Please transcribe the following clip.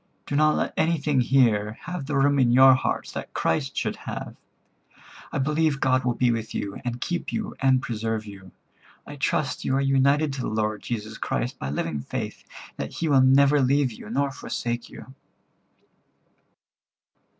Do not let anything here have the room in your heart that Christ should have. I believe God will be with you, and keep you, and preserve you. I trust you are united to the Lord Jesus Christ by living faith, and that He will never leave you, nor forsake you."